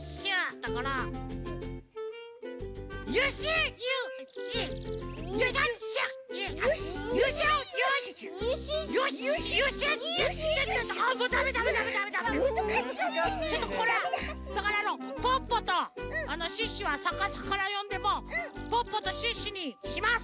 だからあの「ポッポ」と「シュッシュ」はさかさからよんでも「ポッポ」と「シュッシュ」にします。